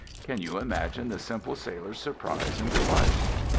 Can you imagine the simple sailor's surprise and delight?